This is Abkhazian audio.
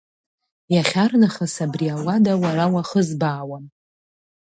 Иахьарнахыс абри ауада уара уахызбаауам.